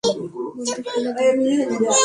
বন্দুক ফেলে দাও।